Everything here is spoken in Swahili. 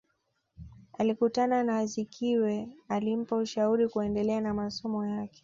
Alikutana na Azikiwe alimpa ushauri kuendelea na masomo yake